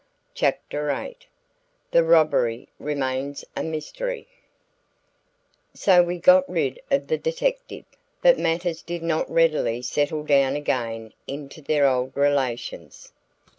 CHAPTER VIII THE ROBBERY REMAINS A MYSTERY So we got rid of the detective. But matters did not readily settle down again into their old relations.